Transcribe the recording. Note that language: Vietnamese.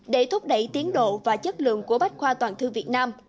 để thúc đẩy tiến độ và chất lượng của bách khoa toàn thư việt nam